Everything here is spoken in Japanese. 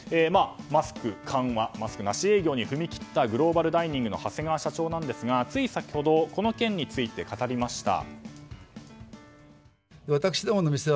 マスク緩和、マスクなし営業に踏み切ったグローバルダイニングの長谷川社長なんですがつい先ほどこの件について語りました。